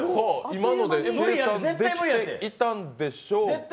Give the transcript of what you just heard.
今ので計算できていたんでしょうか？